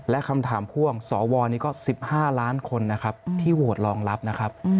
และคำถามพ่วงสวนี้ก็๑๕ล้านคนนะครับที่โหวตรองรับนะครับ